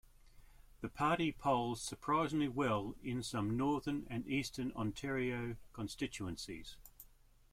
The party polls surprisingly well in some northern and eastern Ontario constituencies.